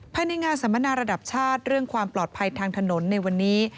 ภายในงานสัมมนาระดับชาติเรื่องความปลอดภัยทางถนนในวันนี้